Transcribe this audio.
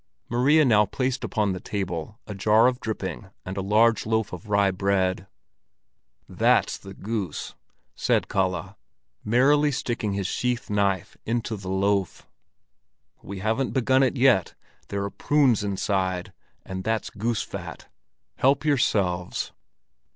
Maria now placed upon the table a jar of dripping and a large loaf of rye bread. "That's the goose," said Kalle, merrily sticking his sheath knife into the loaf. "We haven't begun it yet. There are prunes inside. And that's goose fat. Help yourselves!"